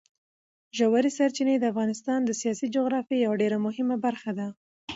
ژورې سرچینې د افغانستان د سیاسي جغرافیې یوه ډېره مهمه برخه ده.